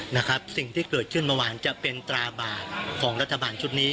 นะครับสิ่งที่เกิดขึ้นเมื่อวานจะเป็นตราบาดของรัฐบาลชุดนี้